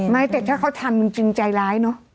ไม่แต่ถ้าเขาทำจริงใจร้ายเนอะ